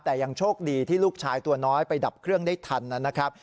แต่ยังโชคดีที่ลูกชายตัวน้อยไปดับเครื่องได้ทันนะครับ